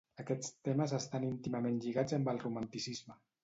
Aquests temes estan íntimament lligats amb el romanticisme.